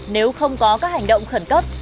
nếu không có các hành động khẩn cấp